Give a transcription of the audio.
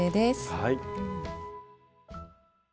はい。